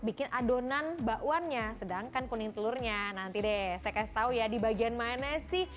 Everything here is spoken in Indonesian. bikin adonan bakwannya sedangkan kuning telurnya nanti deh saya kasih tahu ya di bagian mana sih